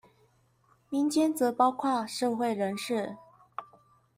民間則包括社會人士